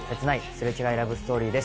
擦れ違いラブストーリーです。